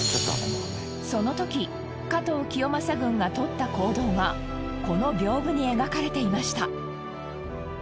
その時加藤清正軍がとった行動がこの屏風に描かれていました。